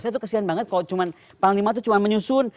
saya tuh kesian banget kalau cuma panglima itu cuma menyusun